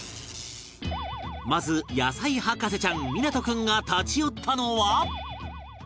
まず野菜博士ちゃん湊君が立ち寄ったのは